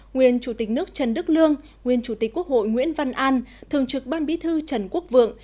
nguyên chủ tịch nước trần đức lương nguyên chủ tịch quốc hội nguyễn văn an thường trực ban bí thư trần quốc vượng